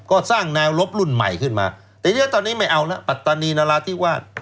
ก็สร้างแนวรบรุ่นใหม่ขึ้นมาทีนี้ตอนนี้ไม่เอาแล้วปัตตานีนราธิวาส